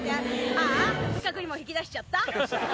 あーあ不覚にも引き出しちゃった